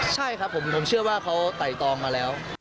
ใช่ครับผมเชื่อว่าเขาไต่ตองมาแล้ว